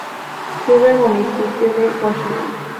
Sirve el Municipio de Washington.